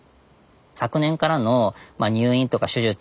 昨年からの入院とか手術